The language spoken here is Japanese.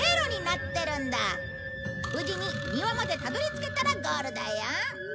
無事に庭までたどり着けたらゴールだよ。